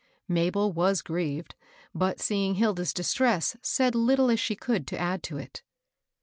Mabel was grieved, but, seeing Hilda's distress, said little as she could to add to it.